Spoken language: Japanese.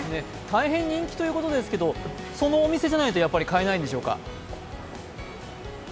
大変人気ということですけど、そのお店じゃないとやっぱり買えないんでしょうか？